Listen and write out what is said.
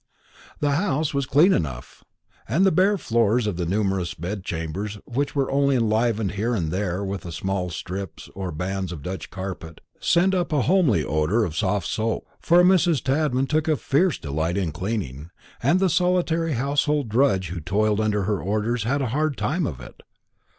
The house was clean enough, and the bare floors of the numerous bed chambers, which were only enlivened here and there with small strips or bands of Dutch carpet, sent up a homely odour of soft soap; for Mrs. Tadman took a fierce delight in cleaning, and the solitary household drudge who toiled under her orders had a hard time of it.